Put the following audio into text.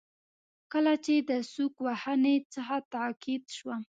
کله چې د سوک وهنې څخه تقاعد شوم.